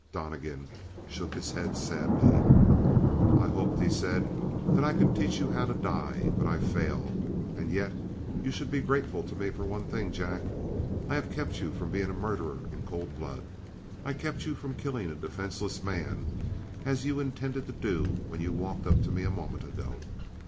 Donnegan shook his head sadly. "I hoped," he said, "that I could teach you how to die. But I fail. And yet you should be grateful to me for one thing, Jack. I have kept you from being a murderer in cold blood. I kept you from killing a defenseless man as you intended to do when you walked up to me a moment ago."